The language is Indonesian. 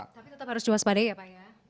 tapi tetap harus diwaspadai ya pak ya